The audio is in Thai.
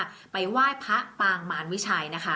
ส่งผลทำให้ดวงชาวราศีมีนดีแบบสุดเลยนะคะ